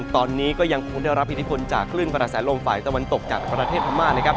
ตอนนี้ก็ยังคงได้รับอิทธิพลจากคลื่นกระแสลมฝ่ายตะวันตกจากประเทศพม่านะครับ